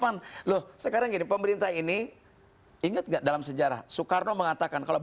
bisa ngimpor juga kapan loh sekarang ini pemerintah ini ingat dalam sejarah soekarno mengatakan kalau